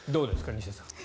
西出さん。